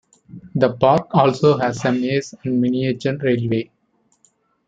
The park also has a maze and miniature railway.